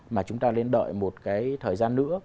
mà chúng ta lên đợi một cái thời gian nữa